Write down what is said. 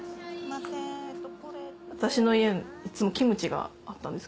私の家いつもキムチがあったんですけど